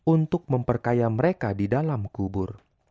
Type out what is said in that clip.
untuk memperkaya mereka di dalam kubur